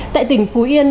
tại tỉnh phú yên